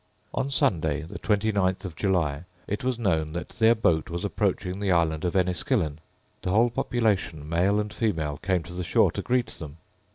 On Sunday, the twenty ninth of July, it was known that their boat was approaching the island of Enniskillen. The whole population, male and female, came to the shore to greet them.